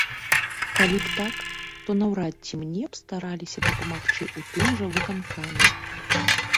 Калі б так, то наўрад ці мне б стараліся дапамагчы ў тым жа выканкаме.